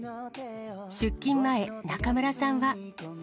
出勤前、中村さんは。